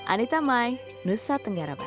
anita mai nusa tenggara barat